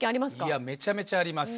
いやめちゃめちゃあります。